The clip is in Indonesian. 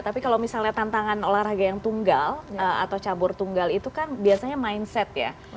tapi kalau misalnya tantangan olahraga yang tunggal atau cabur tunggal itu kan biasanya mindset ya